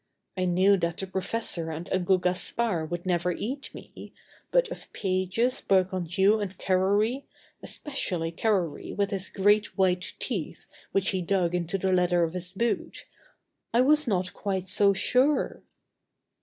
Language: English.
I knew that the professor and Uncle Gaspard would never eat me, but of Pages, Bergounhoux, and Carrory, especially Carrory with his great white teeth which he dug into the leather of his boot, I was not quite so sure.